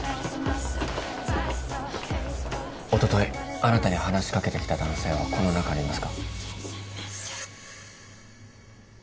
あなたに話しかけてきた男性はこの中にいますか？